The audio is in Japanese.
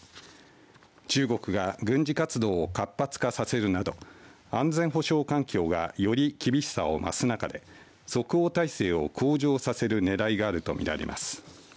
中国が軍事活動を活発化させるなど安全保障環境がより厳しさを増す中で即応体制を向上させるねらいがあると見られます。